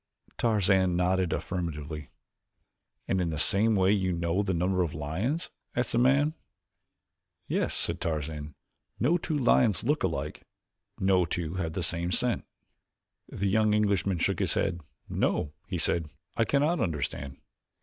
Tarzan nodded affirmatively. "And in the same way you know the number of lions?" asked the man. "Yes," said Tarzan. "No two lions look alike, no two have the same scent." The young Englishman shook his head. "No," he said, "I cannot understand."